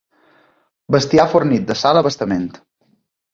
Bestiar fornit de sal a bastament.